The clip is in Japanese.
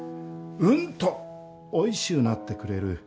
うんとおいしゅうなってくれる。